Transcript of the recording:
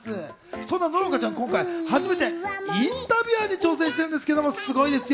そんな乃々佳ちゃん、今回初めてインタビュアーに挑戦しているんですがすごいですよ。